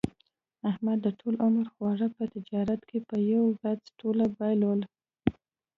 احمد د ټول عمر خواري په تجارت کې په یوه ورځ ټوله بایلوله.